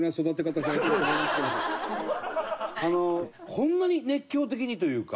こんなに熱狂的にというか。